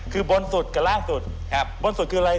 คือบนศูนย์กับล่างศูนย์บนศูนย์คืออะไร